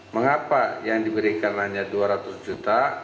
mengapa yang diberikan hanya dua ratus juta